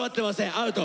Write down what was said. アウト。